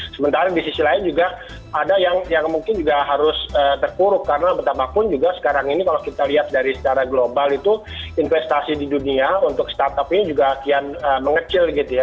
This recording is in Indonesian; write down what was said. sementara di sisi lain juga ada yang mungkin juga harus terpuruk karena betapapun juga sekarang ini kalau kita lihat dari secara global itu investasi di dunia untuk startupnya juga kian mengecil gitu ya